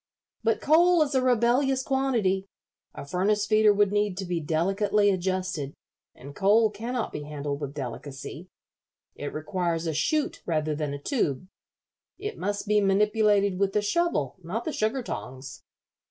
"But coal is a rebellious quantity. A furnace feeder would need to be delicately adjusted, and coal cannot be handled with delicacy. It requires a chute rather than a tube. It must be manipulated with the shovel, not the sugar tongs."